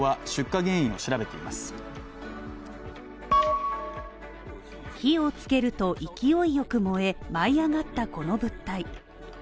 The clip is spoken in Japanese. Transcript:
火を付けると、勢いよく燃え舞い上がったこの物体。